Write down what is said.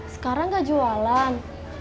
sekarang nggak jualan